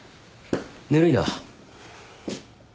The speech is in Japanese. ぬるいな。